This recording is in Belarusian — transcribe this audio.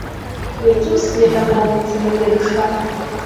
Якім светам поўніцца яе душа?